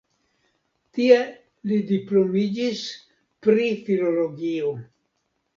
Tie li diplomiĝis pri filologio.